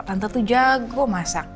tante tuh jago masak